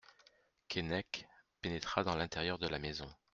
Keinec pénétra dans l'intérieur de la maison.